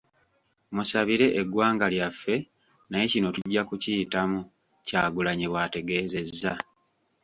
"Musabire eggwanga lyaffe naye kino tujja kukiyitamu.” Kyagulanyi bw'ategeezezza.